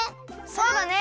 そうだね！